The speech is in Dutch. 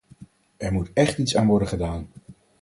Er moet echt iets aan worden gedaan.